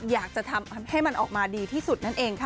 อยากจะทำให้มันออกมาดีที่สุดนั่นเองค่ะ